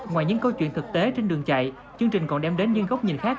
ngoài những câu chuyện thực tế trên đường chạy chương trình còn đem đến những góc nhìn khác